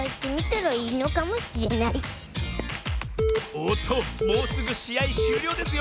おっともうすぐしあいしゅうりょうですよ。